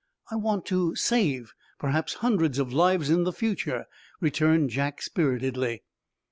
"I want to save, perhaps, hundreds of lives in the future," returned Jack, spiritedly.